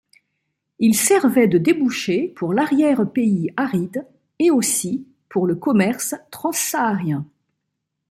Ils servaient de débouchés pour l'arrière-pays aride et aussi pour le commerce transsaharien.